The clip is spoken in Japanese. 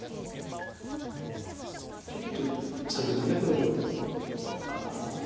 ちょっと先ほど黒の。